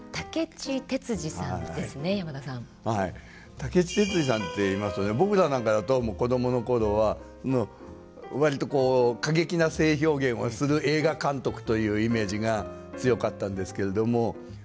武智鉄二さんっていいますとね僕らなんかだと子どもの頃は割と過激な性表現をする映画監督というイメージが強かったんですけれども。